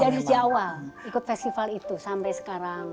dari awal ikut festival itu sampai sekarang